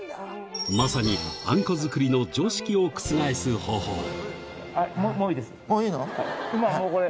まさにあんこ作りの常識を覆す方法。